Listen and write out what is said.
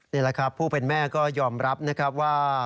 นี่แหละครับผู้เป็นแม่ก็ยอมรับนะครับว่า